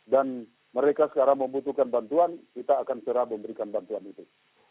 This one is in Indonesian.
dan mereka sekarang membutuhkan bantuan kita akan secara benar memberikan bantuan itu